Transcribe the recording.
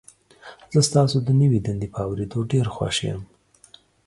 زه ستاسو د نوي دندې په اوریدو ډیر خوښ یم.